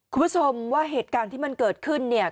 คุณผู้ชมว่าเหตุการณ์ที่มันเกิดขึ้นเนี่ย